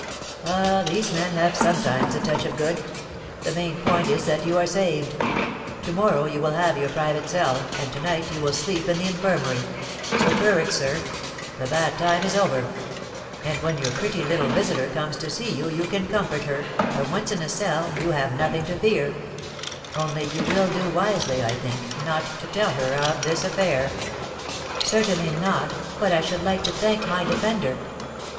"Ah, these men have sometimes a touch of good! The main point is that you are saved. To morrow you will have your private cell, and to night you will sleep in the infirmary. So, courage, sir. The bad time is over; and when your pretty little visitor comes to see you, you can comfort her, for once in a cell you have nothing to fear; only you will do wisely, I think, not to tell her of this affair." "Certainly not; but I should like to thank my defender."